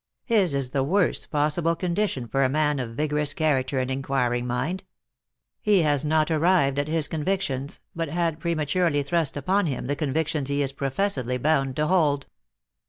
His is the worst possible condition for a man of vigorous character and inquiring mind. He has not arrived at his convictions, but had prematurely thrust upon him the convictions he is professedly bound to hold."